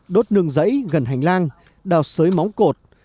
đốt nương rẫy gần hành lang đào sới móng cột